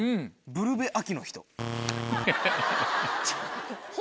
ブルベ秋の人。